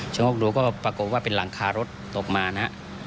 ชะโงกดูก็ปรากฏว่าเป็นหลังคารถตกมานะฮะ